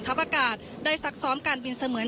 ก็จะมีการพิพากษ์ก่อนก็มีเอ็กซ์สุข่อน